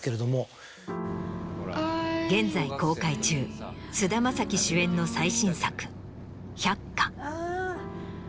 現在公開中菅田将暉主演の最新作『百花』。